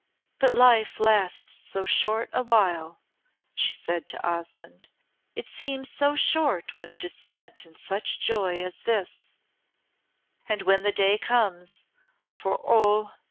"But life lasts so short a while," she said to Osmonde. "It seems so short when it is spent in such joy as this; and when the day comes for, oh!